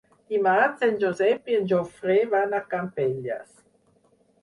Dimarts en Josep i en Jofre van a Campelles.